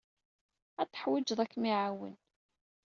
Ad t-teḥwijed ad kem-iɛawen.